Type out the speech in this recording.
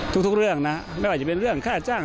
ทุกเรื่องนะไม่ว่าจะเป็นเรื่องค่าจ้าง